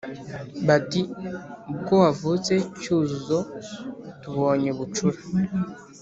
bati ubwo wavutse cyuzuzo tubonye bucura